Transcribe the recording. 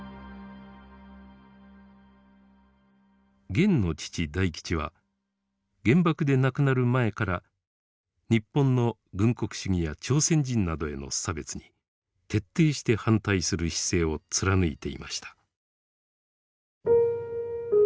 ゲンの父大吉は原爆で亡くなる前から日本の軍国主義や朝鮮人などへの差別に徹底して反対する姿勢を貫いていました。